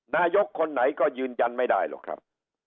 นายกคนไหนก็ยืนยันไม่ได้หรอกครับ